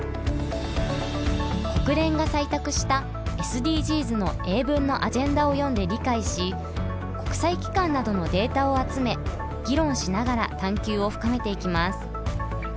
国連が採択したＳＤＧｓの英文のアジェンダを読んで理解し国際機関などのデータを集め議論しながら探究を深めていきます。